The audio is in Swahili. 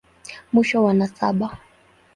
Mwisho wa nasaba.